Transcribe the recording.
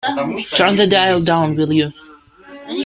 Turn the dial down will you?